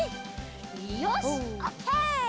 よしオッケー！